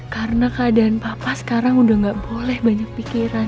karena keadaan papa sekarang udah gak boleh banyak pikiran